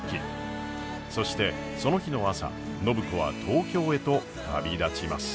そしてその日の朝暢子は東京へと旅立ちます。